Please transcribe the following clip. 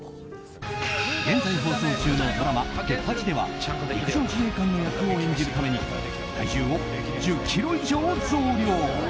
現在放送中のドラマ「テッパチ！」では陸上自衛官の役を演じるために体重を１０ｋｇ以上増量。